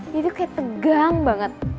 deddy kayak tegang banget